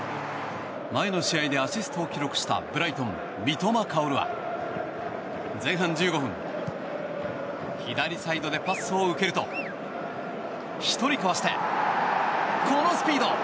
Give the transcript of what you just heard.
前の試合でアシストを記録したブライトン、三笘薫は前半１５分左サイドでパスを受けると１人かわして、このスピード。